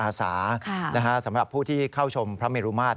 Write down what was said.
สำหรับผู้ที่เข้าชมพระเมรุมาตร